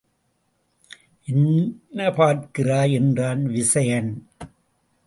என்ன பார்க்கிறாய் என்றான் விசயன்.